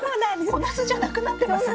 小ナスじゃなくなってますね。